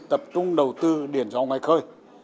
tập trung đầu tư điện gió ngoài khơi